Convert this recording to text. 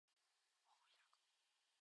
本を開く